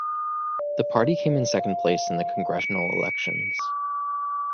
The party came in second place in the congressional elections.